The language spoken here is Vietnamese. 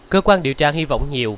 cơ quan điều tra hy vọng nhiều